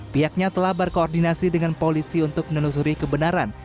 pihaknya telah berkoordinasi dengan polisi untuk menelusuri kebenaran